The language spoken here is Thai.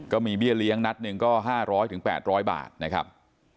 เบี้ยเลี้ยงนัดหนึ่งก็๕๐๐๘๐๐บาทนะครับ